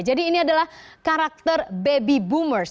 jadi ini adalah karakter baby boomers